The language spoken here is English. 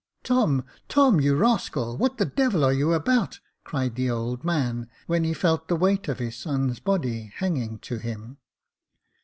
" Tom, Tom you rascal, what the devil are you about ?" cried the old man, when he felt the weight of his son's body hanging to him.